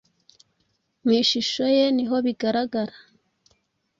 mu ishusho ye niho bigaragara